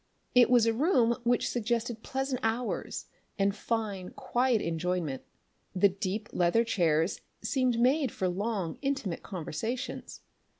It was a room which suggested pleasant hours and fine, quiet enjoyment. The deep, leather chairs seemed made for long, intimate conversations.